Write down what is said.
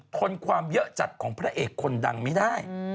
ทนความเยอะจัดของพระเอกคนดังไม่ได้